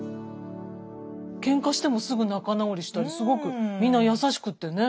ケンカしてもすぐ仲直りしたりすごくみんな優しくってね。